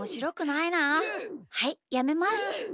はいやめます。